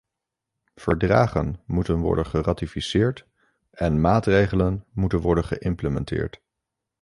Verdragen moeten worden geratificeerd en maatregelen moeten worden geïmplementeerd.